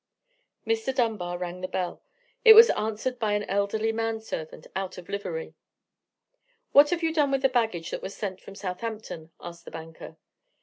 Mr. Dunbar rang the bell. It was answered by an elderly man servant out of livery. "What have you done with the luggage that was sent from Southampton?" asked the banker.